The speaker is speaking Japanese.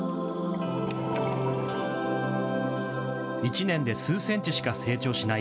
１年で数センチしか成長しない